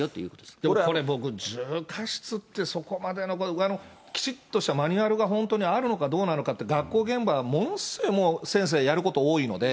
ただこれ僕、重過失って、そこまでの、きちっとしたマニュアルが本当にあるのかどうなのかって、学校現場がものすごいもう先生がやること多いので。